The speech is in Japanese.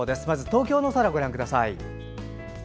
東京の空をご覧ください。